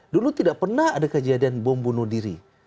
dulu tidak pernah ada kejadian bom bunuh diri